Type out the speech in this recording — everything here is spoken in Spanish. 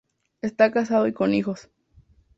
Está casado y con hijos.